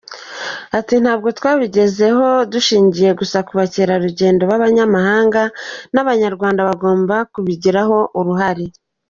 Ati “Ntabwo twabigeraho dushingiye gusa ku bakerarugendo b’abanyamahanga, n’Abanyarwanda bagomba kubigiramo uruhare.